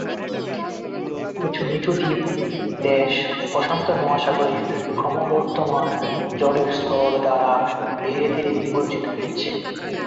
কিছু নিচু দ্বীপ দেশ প্রশান্ত মহাসাগরের ক্রমবর্ধমান জলের স্তর দ্বারা ধীরে ধীরে নিমজ্জিত হচ্ছে।